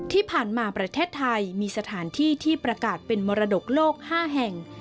ที่ผ่านมาประเทศไทยมีสถานที่ที่ประกาศเป็นมรดกโลก๕แห่ง